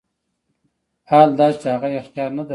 حال دا چې هغه اختیار نه درلود.